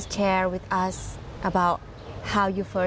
คิดว่าเกิดอะไรขึ้น